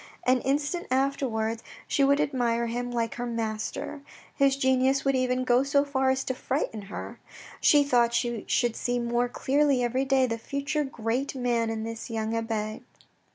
An instant after wards she would admire him like her master. His genius would even go so far as to frighten her. She thought she should see more clearly every day the future great man in this young abbe.